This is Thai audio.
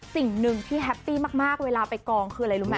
สิ่งหนึ่งที่แฮปปี้มากเวลาไปกองคืออะไรรู้ไหม